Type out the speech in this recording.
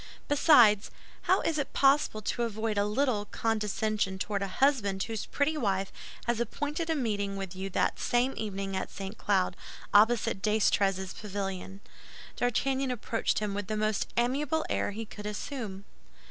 Besides, how is it possible to avoid a little condescension toward a husband whose pretty wife has appointed a meeting with you that same evening at St. Cloud, opposite D'Estrées's pavilion? D'Artagnan approached him with the most amiable air he could assume.